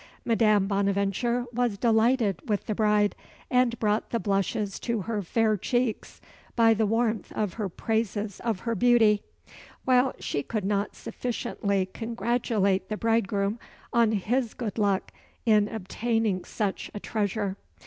Madame Bonaventure was delighted with the bride, and brought the blushes to her fair cheeks by the warmth of her praises of her beauty; while she could not sufficiently congratulate the bridegroom on his good luck in obtaining such a treasure.